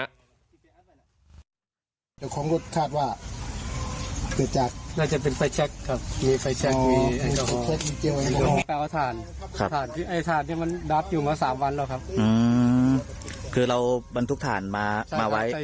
อ๋อแอลกอฮอลเจลล้างมืออ่ะนะ